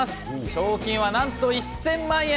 賞金は、なんと１０００万円！